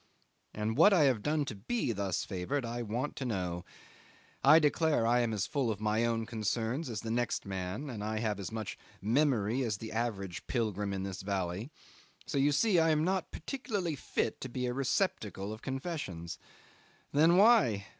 And what I have done to be thus favoured I want to know. I declare I am as full of my own concerns as the next man, and I have as much memory as the average pilgrim in this valley, so you see I am not particularly fit to be a receptacle of confessions. Then why?